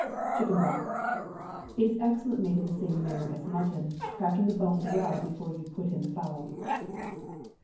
CHICKEN BROTH. ✠ Is excellent made in the same manner as mutton, cracking the bones well before you put in the fowl.